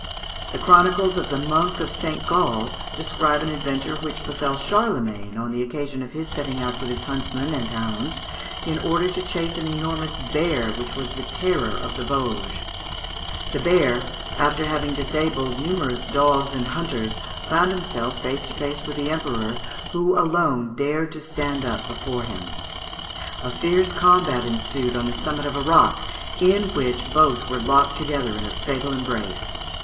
The Chronicles of the Monk of Saint Gall describe an adventure which befell Charlemagne on the occasion of his setting out with his huntsmen and hounds in order to chase an enormous bear which was the terror of the Vosges. The bear, after having disabled numerous dogs and hunters, found himself face to face with the Emperor, who alone dared to stand up before him. A fierce combat ensued on the summit of a rock, in which both were locked together in a fatal embrace.